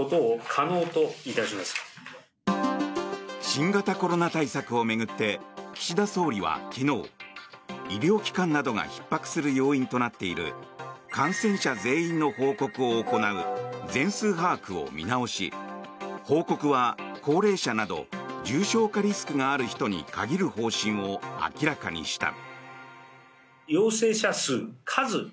新型コロナ対策を巡って岸田総理は昨日医療機関などがひっ迫する要因となっている感染者全員の報告を行う全数把握を見直し報告は高齢者など重症化リスクがある人に限る方針を明らかにした。